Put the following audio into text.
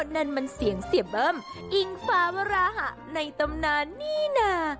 นั่นมันเสียงเสียเบิ้มอิงฟ้ามราหะในตำนานนี่นะ